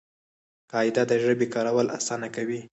قاعده د ژبي کارول آسانه کوي.